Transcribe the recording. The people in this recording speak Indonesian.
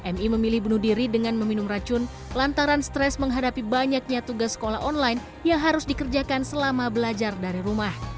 mi memilih bunuh diri dengan meminum racun lantaran stres menghadapi banyaknya tugas sekolah online yang harus dikerjakan selama belajar dari rumah